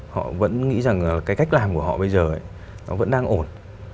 họ vẫn nghĩ rằng cái cách làm của họ bây giờ ấy nó vẫn đang ổn